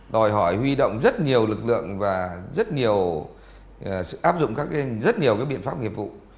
đòi hỏi huy động rất nhiều lực lượng và rất nhiều áp dụng rất nhiều biện pháp nghiệp vụ